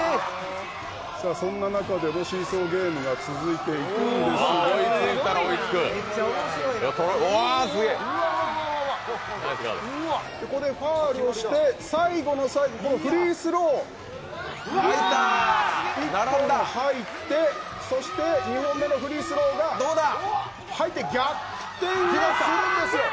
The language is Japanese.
そんな中で、シーソーゲームが続いていくんですがここでファウルをして最後の最後にフリースローが１本入ってそして２本目のフリースローが入って逆転をするんですよ。